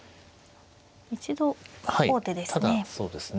一度王手ですね。